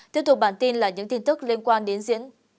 tiếp tục bản tin là những tin tức liên quan đến diễn